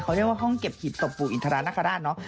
เขาเรียกว่าห้องเก็บหีบศพปู่อินทรานคราชเนาะ